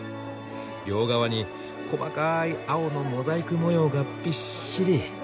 両側に細かい青のモザイク模様がビッシリ。